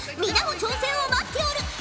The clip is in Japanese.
皆の挑戦を待っておる。